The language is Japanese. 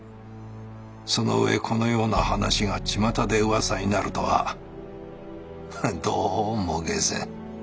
その上このような話がちまたで噂になるとはどうも解せん。